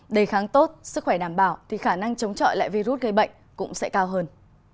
đề kháng tốt sức khỏe đảm bảo thì khả năng chống chọi lại virus gây bệnh cũng sẽ cao hơn